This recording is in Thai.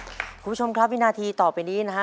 คุณผู้ชมครับวินาทีต่อไปนี้นะฮะ